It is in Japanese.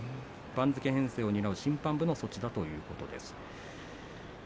番付編成を担う審判部の措置だということです。